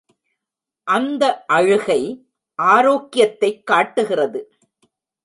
அந்த அழுகை ஆரோக்கியத்தைக் காட்டுகிறது.